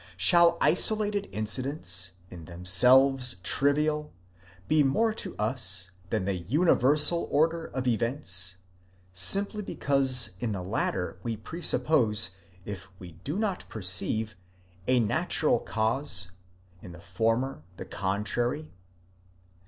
Shall isolated incidents, in themselves trivial, be more to us than the universal order of events, simply because in the latter we presuppose, if we do not per ceive, a natural cause, in the former the contrary?